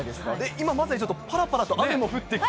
今、まさにぱらぱらと雨も降ってきて。